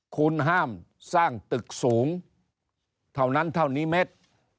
คุณห้ามสร้างตึกสูงเท่านั้นเท่านี้เม็ด